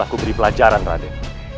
aku beri pelajaran raden